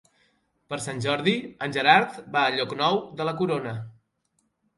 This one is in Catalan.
Per Sant Jordi en Gerard va a Llocnou de la Corona.